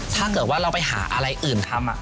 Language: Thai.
ถ้าเกิดว่าเราไปหาอะไรอื่นทำ